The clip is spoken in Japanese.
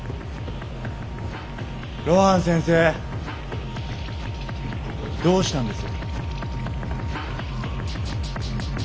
露伴先生どうしたんです？